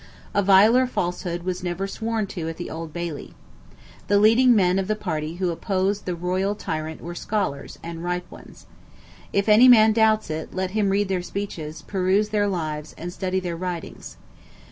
A viler falsehood was never sworn to at the Old Bailey. The leading men of the party who opposed the royal tyrant were scholars, and ripe ones. If any man doubts it, let him read their speeches, peruse their lives, and study their writings.